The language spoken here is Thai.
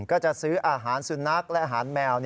ก็จะซื้ออาหารสุนัขและอาหารแมว